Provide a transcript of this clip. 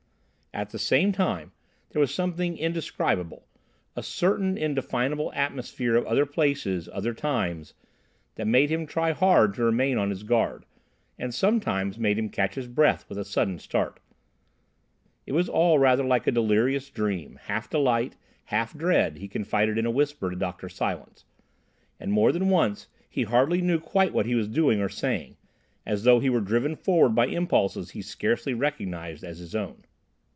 At the same time, there was something indescribable—a certain indefinable atmosphere of other places, other times—that made him try hard to remain on his guard, and sometimes made him catch his breath with a sudden start. It was all rather like a delirious dream, half delight, half dread, he confided in a whisper to Dr. Silence; and more than once he hardly knew quite what he was doing or saying, as though he were driven forward by impulses he scarcely recognised as his own.